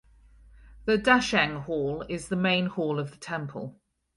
The Dacheng Hall is the main hall of the temple.